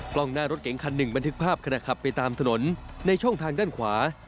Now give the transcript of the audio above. กล้องหน้ารถเก๋งคันหนึ่งบันทึกภาพขณะขับไปตามถนนในช่องทางด้านขวา